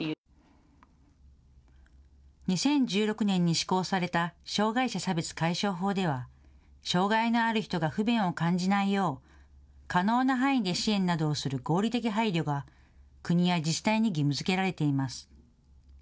２０１６年に施行された障害者差別解消法では障害のある人が不便を感じないよう可能な範囲で支援などをする合理的配慮が国や自治体に義務づけられています。